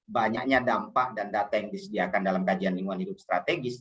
banyaknya dampak dan data yang disediakan dalam kajian lingkungan hidup strategis